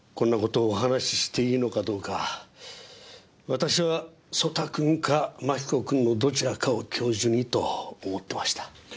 私は曽田君か槙子君のどちらかを教授にと思ってました。